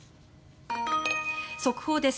速報です。